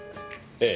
ええ。